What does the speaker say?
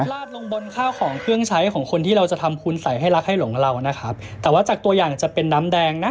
ลาดลงบนข้าวของเครื่องใช้ของคนที่เราจะทำคุณใส่ให้รักให้หลงเรานะครับแต่ว่าจากตัวอย่างจะเป็นน้ำแดงนะ